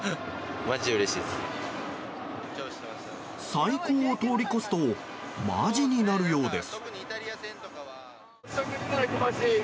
最高を通り越すとマジになるようです。